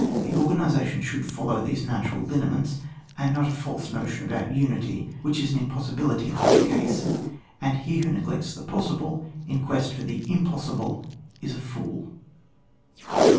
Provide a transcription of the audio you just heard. The org^isation should follow these natural lineaments, and not a false notion about unity, which is an impossi bility in such a case; and he who ne glects the possible in quest of the impos sible is a fool.